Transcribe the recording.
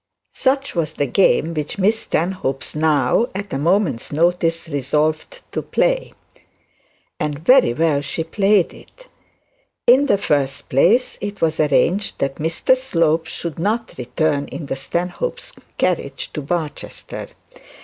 Such was the game which Miss Stanhope now at a moment's notice resolved to play. And very well she played it. In the first place, it was arranged that Mr Slope should not return in the Stanhope's carriage to Barchester.